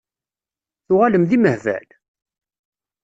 Tuɣalem d imehbal?